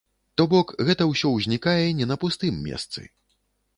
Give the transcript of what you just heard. То бок, гэта ўсё ўзнікае не на пустым месцы.